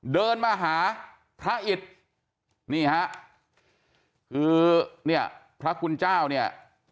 เดินมาหาพระอิตนี่ฮะคือเนี่ยพระคุณเจ้าเนี่ย